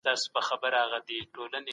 خدای به پر خپلو بنده ګانو رحم وکړي.